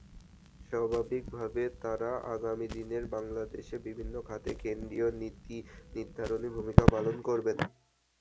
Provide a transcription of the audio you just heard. স্বাভাবিকভাবে তাঁরা আগামী দিনের বাংলাদেশে বিভিন্ন খাতে কেন্দ্রীয় নীতিনির্ধারণী ভূমিকা পালন করবেন।